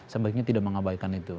sebaiknya tidak mengabaikan itu